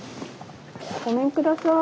ごめんください。